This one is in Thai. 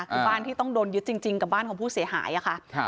คือบ้านที่ต้องโดนยึดจริงกับบ้านของผู้เสียหายค่ะ